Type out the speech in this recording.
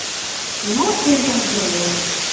Ну, телеңде!